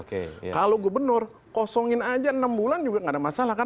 kalau gubernur kosongin aja enam bulan juga nggak ada masalah kan